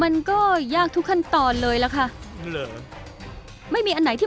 ดูไก่นี้ซิ